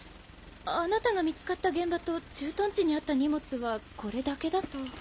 あなたが見つかった現場と駐屯地にあった荷物はこれだけだと。